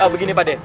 begini pak d